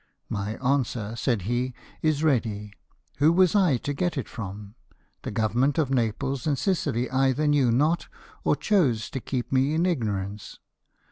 " My answer," said he, " is ready — Who was I to get it from ? The Govern ments of Naples and Sicily either knew not, or chose to keep me in ignorance.